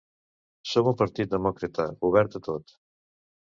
Som un partit demòcrata, obert a tot.